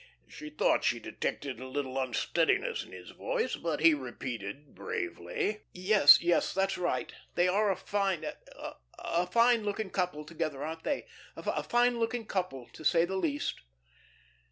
She thought she detected a little unsteadiness in his voice, but he repeated bravely: "Yes, yes, that's right. They are a fine, a a fine looking couple together, aren't they? A fine looking couple, to say the least."